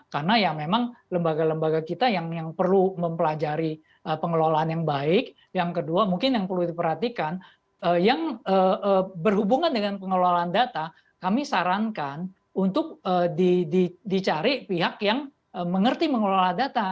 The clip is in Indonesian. karena ya memang lembaga lembaga kita yang perlu mempelajari pengelolaan yang baik yang kedua mungkin yang perlu diperhatikan yang berhubungan dengan pengelolaan data kami sarankan untuk dicari pihak yang mengerti mengelola data